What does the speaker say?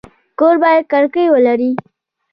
کور باید کړکۍ ولري